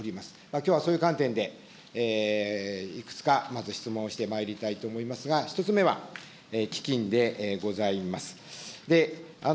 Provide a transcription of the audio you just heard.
きょうはそういう観点で、いくつか、まず質問をしてまいりたいと思いますが、１つ目は、基金でございます。